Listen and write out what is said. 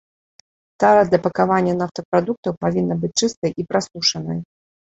Тара для пакавання нафтапрадуктаў павінна быць чыстай і прасушанай.